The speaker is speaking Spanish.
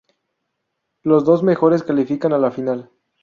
Los dos mejores califican a la final.